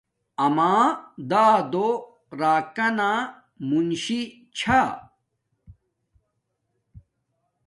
اما دادو راکانا منشی چھا کا